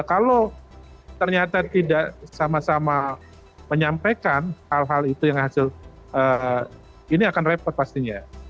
kalau ternyata tidak sama sama menyampaikan hal hal itu yang hasil ini akan repot pastinya